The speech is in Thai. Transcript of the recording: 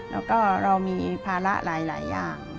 แล้วก็เรามีภาระหลายอย่าง